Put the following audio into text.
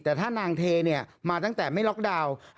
แต่ถ้านางเทเนี่ยมาตั้งแต่ไม่ล็อกดาวน์